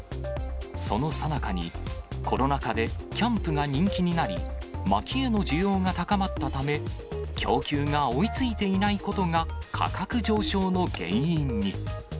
そのさなかに、コロナ禍でキャンプが人気になり、まきへの需要が高まったため、供給が追いついていないことが、価格上昇の原因に。